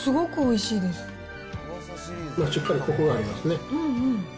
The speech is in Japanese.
しっかりコクがありますね。